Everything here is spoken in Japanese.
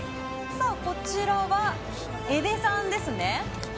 こちらが江部さんですね。